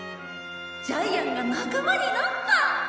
ジャイアンが仲間になった！